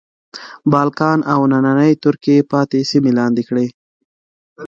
بالکان او نننۍ ترکیې پاتې سیمې لاندې کړې.